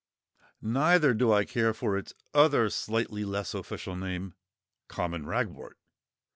Neither do I care for its other slightly less official name, "Common Ragwort."